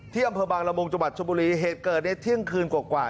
ที่อำเภอบังระมุงจบัตรชมบุรีเหตุเกิดในเที่ยงคืนกว่า